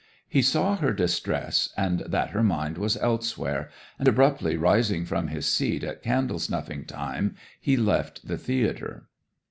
He saw her distress, and that her mind was elsewhere; and abruptly rising from his seat at candle snuffing time he left the theatre.